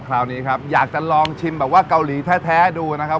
คราวนี้ครับอยากจะลองชิมแบบว่าเกาหลีแท้ดูนะครับ